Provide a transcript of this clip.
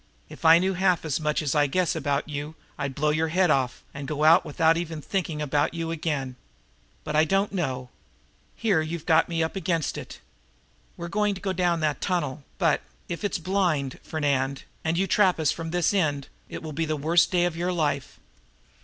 If I knew half as much as I guess about you I'd blow your head off, and go on without ever thinking about you again. But I don't know. Here you've got me up against it. We're going to go down that tunnel; but, if it's blind, Fernand, and you trap us from this end, it will be the worst day of your life."